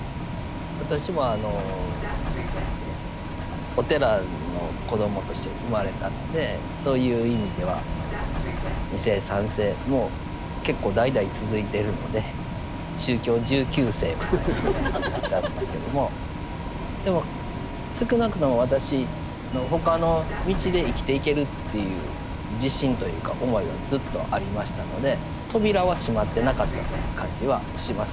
私もお寺の子どもとして生まれたのでそういう意味では２世３世もう結構代々続いているので宗教１９世みたいなことになっちゃうんですけども。でも少なくとも私の他の道で生きていけるっていう自信というか思いはずっとありましたので扉は閉まってなかったという感じはします。